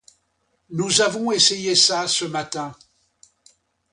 Nous avons essayé ça, ce matin.